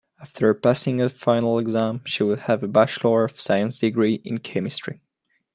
After passing her final exam she will have a bachelor of science degree in chemistry.